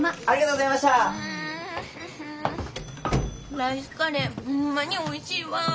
うんライスカレーホンマにおいしいわ。